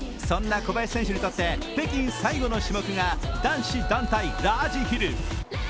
そんな小林選手にとって、北京最後の種目が男子団体ラージヒル。